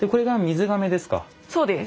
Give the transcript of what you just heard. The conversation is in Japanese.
そうです。